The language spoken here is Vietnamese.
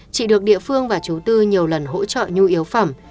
chị được địa phương và chú tư nhiều lần hỗ trợ nhu yếu phẩm